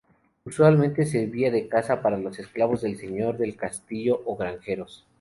Usualmente servía de casa para los esclavos del señor del castillo o granjeros.